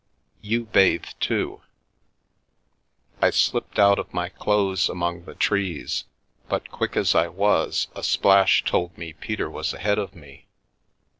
You bathe too." I slipped out of my clothes among the trees, but quick as I was a splash told me Peter was ahead of me.